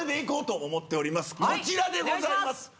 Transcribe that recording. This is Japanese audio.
こちらでございます。